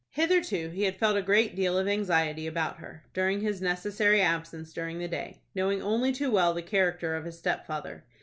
Hitherto he had felt a great deal of anxiety about her, during his necessary absence during the day, knowing only too well the character of his stepfather.